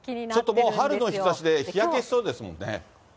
ちょっともう春の日ざしで日焼けしそうですもんね。